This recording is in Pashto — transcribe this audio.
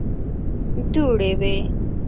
دوړې وې.